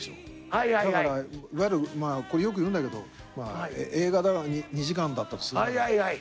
だからいわゆるこれよく言うんだけど映画２時間だったとするじゃない。